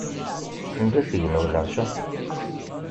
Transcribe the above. Anda tegneḍ leɛca?